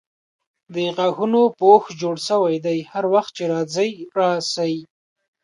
د غاښونو پوښ جوړ سوی دی هر وخت چې راځئ راسئ.